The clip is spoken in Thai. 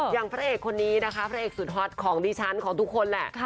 อย่างพระเอกคนนี้นะคะพระเอกสุดฮอตของดิฉันของทุกคนแหละ